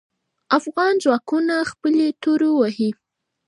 افغان ځواکونه خپلې تورو وهې.